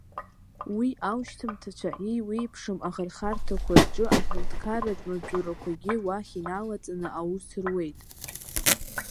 Уи аушьҭымҭацәа еиуеиԥшым ахырхарҭақәа рҿы, аҳәынҭқарратә маҵзурақәагьы уахь иналаҵаны, аус руеит.